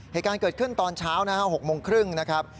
เหตุการณ์เกิดขึ้นตอนเช้านะฮะ๖โมงครึ่งนะครับ